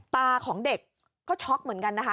ตาของเด็กก็ช็อกเหมือนกันนะคะ